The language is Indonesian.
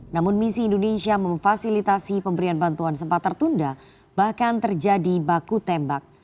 namun misi indonesia memfasilitasi pemberian bantuan sempat tertunda bahkan terjadi baku tembak